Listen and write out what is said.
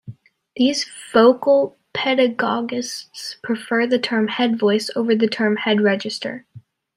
These vocal pedagogists prefer the term "head voice" over the term "head register.